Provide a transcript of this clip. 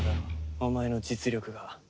お前の実力が。